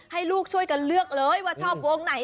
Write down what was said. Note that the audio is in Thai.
ให้ลูกช่วยกันเลือกเลยว่าชอบวงไหน